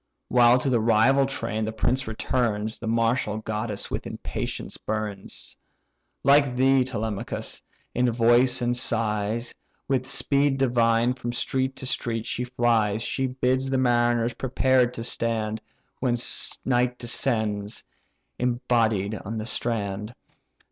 While to the rival train the prince returns, The martial goddess with impatience burns; Like thee, Telemachus, in voice and size, With speed divine from street to street she flies, She bids the mariners prepared to stand, When night descends, embodied on the strand.